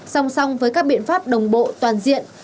song song với các biện pháp đồng bộ toàn diện